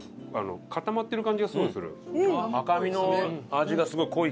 固まってる感じがすごいする。